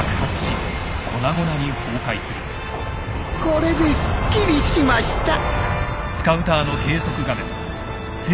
これですっきりしました。